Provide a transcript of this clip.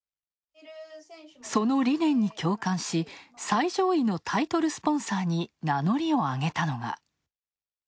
その理念に共感し、最上位のタイトルスポンサーに名乗りを上げたのが。